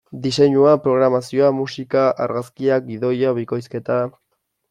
Diseinua, programazioa, musika, argazkiak, gidoia, bikoizketa...